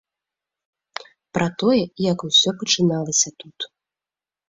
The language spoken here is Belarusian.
Пра тое, як усё пачыналася тут.